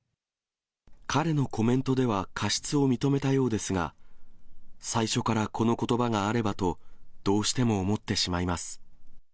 彼のコメントでは過失を認めたようですが、最初からこのことばがあればと、どうしても思ってしまいます。